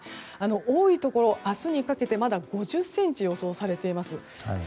多いところで明日にかけて、まだ５０ｃｍ予想されています。